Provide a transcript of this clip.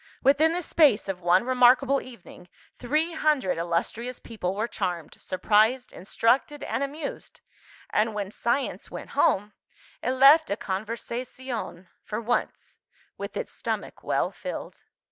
Within the space of one remarkable evening, three hundred illustrious people were charmed, surprised, instructed, and amused; and when Science went home, it left a conversazione (for once) with its stomach well filled.